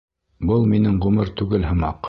Был минең ғүмер түгел һымаҡ.